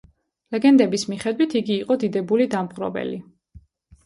ლეგენდების მიხედვით, იგი იყო დიდებული დამპყრობელი.